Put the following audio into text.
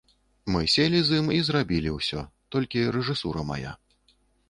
Мы селі з ім і зрабілі ўсё, толькі рэжысура мая.